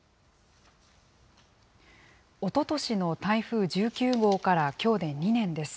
おととしの台風１９号からきょうで２年です。